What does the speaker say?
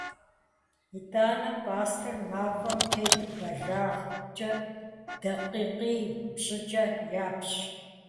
Итӏанэ пӏастэр мафӏэм тету бэлагъкӏэ дакъикъий - пщӏыкӏэ япщ.